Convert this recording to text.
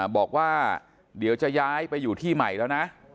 บอกว่าเดี๋ยวจะย้ายไปอยู่ที่ใหม่แล้วนะ